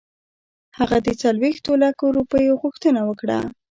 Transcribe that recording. هغه د څلوېښتو لکو روپیو غوښتنه وکړه.